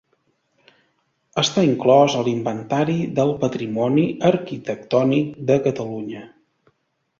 Està inclòs a l'Inventari del Patrimoni Arquitectònic de Catalunya.